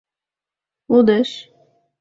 Лудеш.